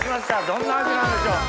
どんな味なんでしょう？